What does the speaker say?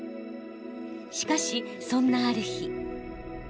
しかしそんなある日。